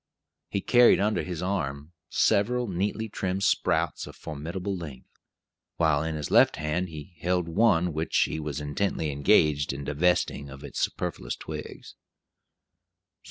He carried under his left arm several neatly trimmed sprouts of formidable length, while in his left hand he held one which he was intently engaged in divesting of its superfluous twigs.